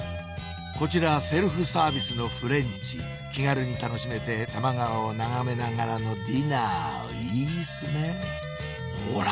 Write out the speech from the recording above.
こちらセルフサービスのフレンチ気軽に楽しめて多摩川を眺めながらのディナーいいっすねぇほら